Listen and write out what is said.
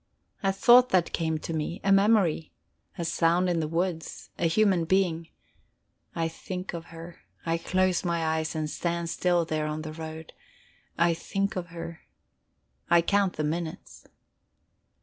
A thought that came to me, a memory; a sound in the woods, a human being. I think of her, I close my eyes and stand still there on the road, and think of her; I count the minutes.